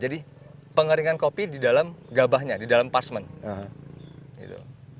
jadi pengeringan kopi di dalam gabahnya di dalam parchment